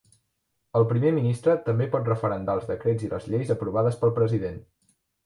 El primer ministre també pot referendar els decrets i les lleis aprovades pel president.